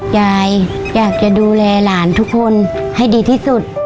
ยายอยากจะดูแลหลานทุกคนให้ดีที่สุด